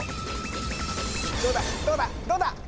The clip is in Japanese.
どうだ？